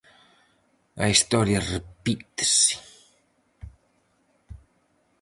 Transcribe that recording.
A historia repítese.